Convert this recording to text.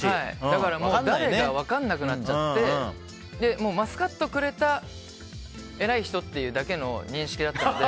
だから誰か分からなくなっちゃってマスカットくれた偉い人っていうだけの認識だったので。